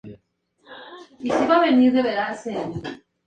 Simultáneamente intentaba dejar el país utilizando su pasaporte suizo.